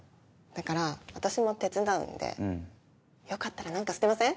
だから私も手伝うんでよかったら何か捨てません？